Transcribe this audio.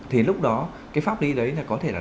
thì lúc đó cái pháp lý đấy là có thể là